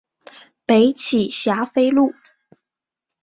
北起霞飞路。